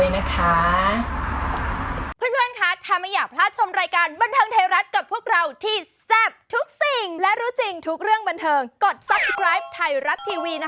นะคะค่ะทำไมอยากพลาดชมรายการบรรทังเทย์รัส